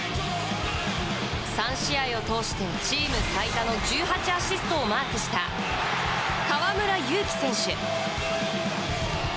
３試合を通して、チーム最多の１８アシストをマークした河村勇輝選手。